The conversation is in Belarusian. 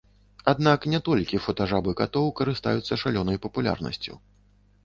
Аднак, не толькі фотажабы катоў карыстаюцца шалёнай папулярнасцю.